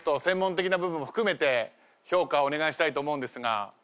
専門的な部分も含めて評価をお願いしたいと思うんですが。